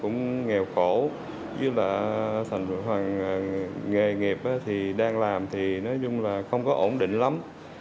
nghèo khổ dưới là thành phố hoàng nghề nghiệp thì đang làm thì nói chung là không có ổn định lắm